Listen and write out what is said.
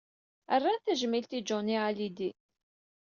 Rran tajmilt i Johnny Hallyday.